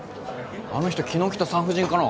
あの人昨日来た産婦人科の。